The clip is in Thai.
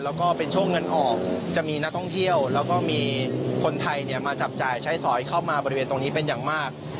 แล้วก็เป็นช่วงเงินออกจะมีนักท่องเที่ยวแล้วก็มีคนไทยมาจับจ่ายใช้สอยเข้ามาบริเวณตรงนี้เป็นอย่างมาก